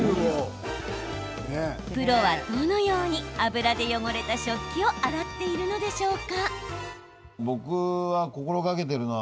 プロは、どのように油で汚れた食器を洗っているのでしょうか？